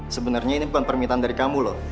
sebenarnya ini bukan permintaan dari kamu loh